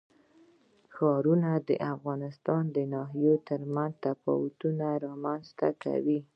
ښارونه د افغانستان د ناحیو ترمنځ تفاوتونه رامنځ ته کوي.